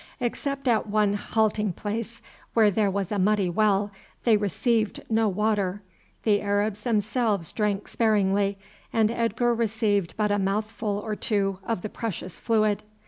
Except at one halting place, where there was a muddy well, they received no water; the Arabs themselves drank sparingly, and Edgar received but a mouthful or two of the precious fluid.